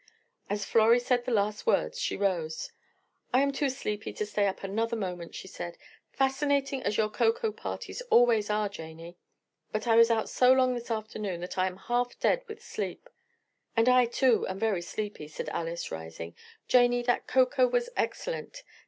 As Florrie said the last words she rose. "I am too sleepy to stay up another moment," she said, "fascinating as your cocoa parties always are, Janie; but I was out so long this afternoon that I am half dead with sleep." "And I, too, am very sleepy," said Alice, rising. "Janie, that cocoa was excellent.